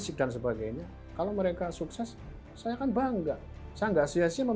jit terpilih menjalankan tugas sebagai manajer unit usaha